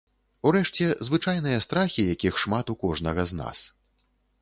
Урэшце, звычайныя страхі, якіх шмат у кожнага з нас.